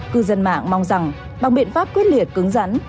cư dân mạng mong rằng bằng biện pháp quyết liệt cứng rắn